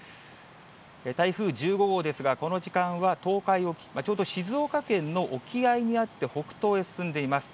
台風１５号ですが、この時間は東海沖、ちょうど静岡県の沖合にあって、北東へ進んでいます。